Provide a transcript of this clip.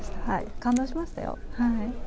感動しましたよ。